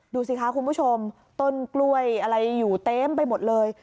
ดูสิคะคุณผู้ชมต้นกล้วยอะไรอยู่เต็มไปหมดเลย